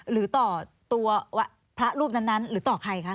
หรือต่อตัวพระรูปนั้นหรือต่อใครคะ